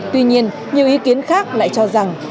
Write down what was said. tuy nhiên nhiều ý kiến khác lại cho rằng